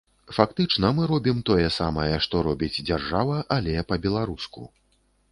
Фактычна мы робім тое самае, што робіць дзяржава, але па-беларуску.